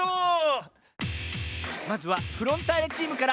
まずはフロンターレチームから。